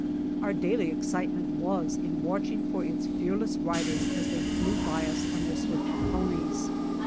Our daily excitement was in watching for its fearless riders as they flew^ by us on their swift ponies.